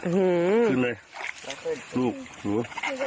ขึ้นเลยลูกสวย